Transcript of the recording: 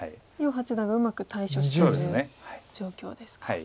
余八段がうまく対処している状況ですか。